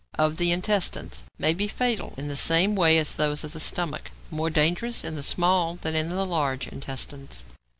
15. =Of the Intestines.= May be fatal in the same way as those of the stomach. More dangerous in the small than in the large intestines.